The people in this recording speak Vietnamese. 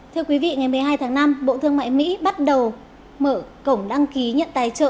thưa quý vị ngày một mươi hai tháng năm bộ thương mại mỹ bắt đầu mở cổng đăng ký nhận tài trợ